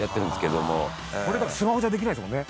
これだからスマホじゃできないですもんね。